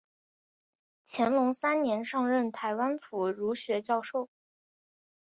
乾隆三年上任台湾府儒学教授。